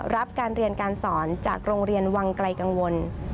รับการเรียนการสอนจากโรงเรียนวังไกลกังวล